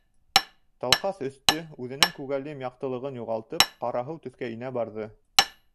Талҡаҫ өҫтө, үҙенең күгелйем яҡтылығын юғалтып, ҡараһыу төҫкә инә барҙы.